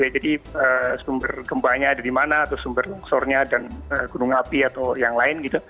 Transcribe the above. sumber gempanya ada di mana atau sumber longsornya dan gunung api atau yang lain gitu